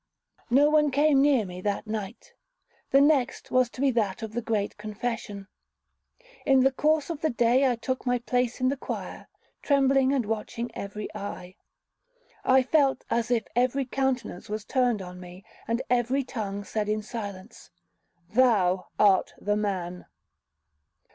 No one came near me that night—the next was to be that of the great confession. In the course of the day, I took my place in the choir, trembling, and watching every eye. I felt as if every countenance was turned on me, and every tongue said in silence, 'Thou art the man.'